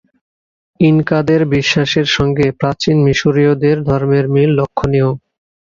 ইনকাদের বিশ্বাসের সঙ্গে প্রাচীন মিশরীয়দের ধর্মের মিল লক্ষ্যনীয়।